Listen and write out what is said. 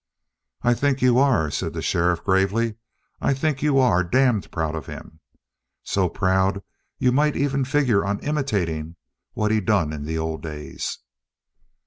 "I think you are," said the sheriff gravely. "I think you are damned proud of him. So proud you might even figure on imitating what he done in the old days."